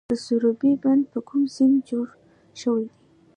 د سروبي بند په کوم سیند جوړ شوی دی؟